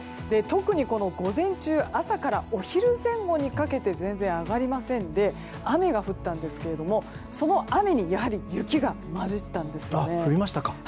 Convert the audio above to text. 特に午前中朝からお昼前後にかけて全然上がりませんで雨が降ったんですけれどもやはり、その雨に雪が交じったんですね。